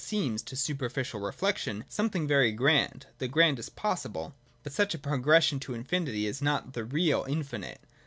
I 75 seems to superficial reflection something very grand, the grandest possible. But such a progression to infinity is not the real infinite.